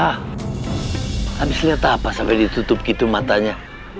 habis lihat apa sampai ditutup gitu matanya